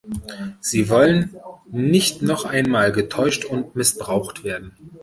Sie wollen nicht noch einmal getäuscht und missbraucht werden.